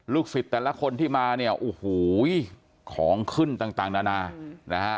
ศิษย์แต่ละคนที่มาเนี่ยโอ้โหของขึ้นต่างนานานะฮะ